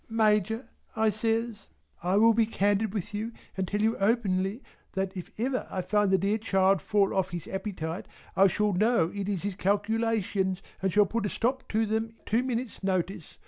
"Major" I says "I will be candid with you and tell you openly that if ever I find the dear child fall off in his appetite I shall know it is his calculations and shall put a stop to them at two minutes' notice.